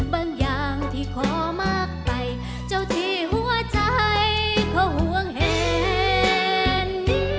บางอย่างที่ขอมากไปเจ้าที่หัวใจเขาห่วงเห็น